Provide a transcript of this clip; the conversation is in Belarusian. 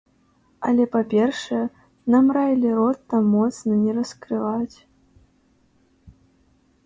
Але, па-першае, нам раілі рот там моцна не раскрываць.